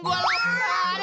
cil kecil ngatain gua loh